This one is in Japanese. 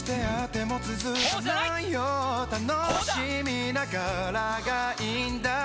楽しみながらがいいんだよ